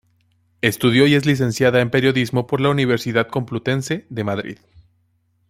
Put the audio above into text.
Estudió y es licenciada en periodismo por la Universidad Complutense de Madrid.